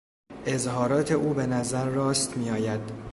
اظهارات او به نظر راست میآید.